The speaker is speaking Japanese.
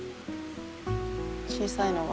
小さいのが。